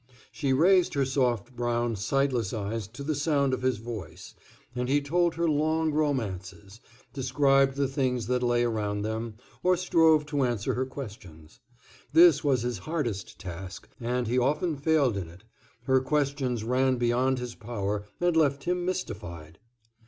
She raised her soft brown, sightless eyes to the sound of his voice, and he told her long romances, described the things that lay around them, or strove to answer her questions. This was his hardest task, and he often failed in it; her questions ran beyond his power, and left him mystified.